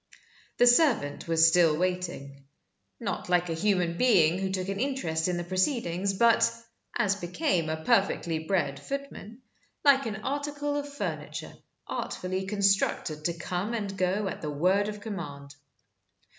The servant was still waiting not like a human being who took an interest in the proceedings, but (as became a perfectly bred footman) like an article of furniture artfully constructed to come and go at the word of command.